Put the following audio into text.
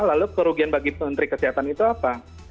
lalu kerugian bagi menteri kesehatan itu apa